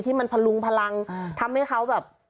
มันพลุงพลังทำให้เขาแบบ